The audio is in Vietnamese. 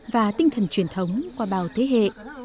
và tinh thần truyền thống qua bào thế hệ